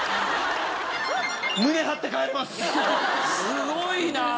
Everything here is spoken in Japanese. すごいなあ。